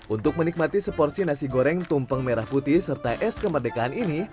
untuk menikmati seporsi nasi goreng tumpeng merah putih serta es kemerdekaan ini